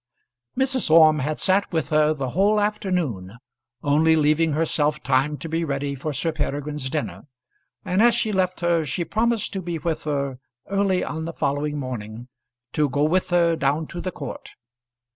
Mrs. Orme had sat with her the whole afternoon, only leaving herself time to be ready for Sir Peregrine's dinner; and as she left her she promised to be with her early on the following morning to go with her down to the court.